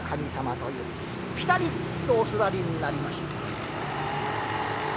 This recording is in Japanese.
ピタリとお座りになりました。